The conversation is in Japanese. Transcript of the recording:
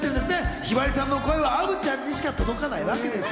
ひばりさんの声はアヴちゃんにしか届かないわけですよ。